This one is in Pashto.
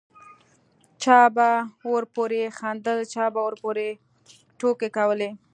چا به ورپورې خندل چا به ورپورې ټوکې کولې.